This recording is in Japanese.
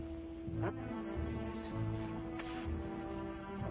えっ？